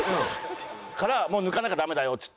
からもう抜かなきゃダメだよっつって。